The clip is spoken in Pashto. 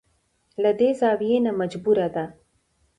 له دې زاويې نه مجبوره ده.